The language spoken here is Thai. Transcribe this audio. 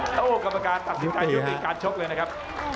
โอ้โหกรรมการตัดสินท้ายยุคอีกการชกเลยนะครับ